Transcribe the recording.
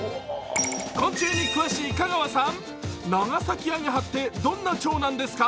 昆虫に詳しい香川さん、ナガサキアゲハってどんなちょうなんですか？